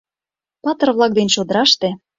Патыр-влак ден чодыраште